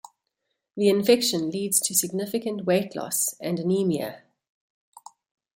The infection leads to significant weight loss and anaemia.